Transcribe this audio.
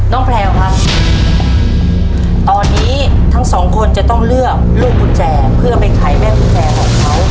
แพลวครับตอนนี้ทั้งสองคนจะต้องเลือกลูกกุญแจเพื่อไปขายแม่กุญแจของเขา